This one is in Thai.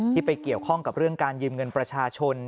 ไปเกี่ยวข้องกับเรื่องการยืมเงินประชาชน